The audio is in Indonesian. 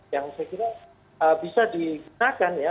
yang saya kira bisa digunakan ya